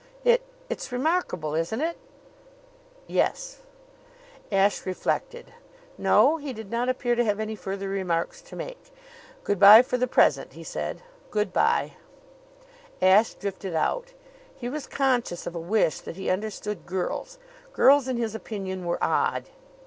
"It it's remarkable, isn't it?" "Yes." Ashe reflected. No; he did not appear to have any further remarks to make. "Good by for the present," he said. "Good by." Ashe drifted out. He was conscious of a wish that he understood girls. Girls, in his opinion, were odd.